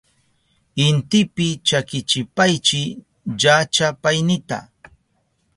Intipi chakichipaychi llachapaynita.